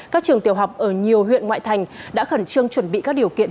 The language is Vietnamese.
các trường tiểu học ở nhiều huyện ngoại thành đã khẩn trương chuẩn bị các điều kiện